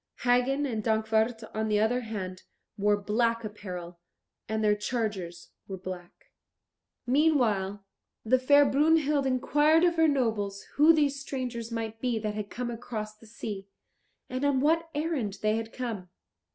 Hagen and Dankwart, on the other hand, wore black apparel, and their chargers were black. Meanwhile the fair Brunhild inquired of her nobles who these strangers might be that had come across the sea, and on what errand they had come.